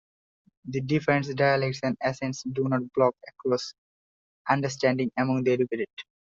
The different dialects and accents do not block cross-understanding among the educated.